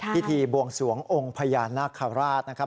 พิธีบวงสวงองค์พญานาคาราชนะครับ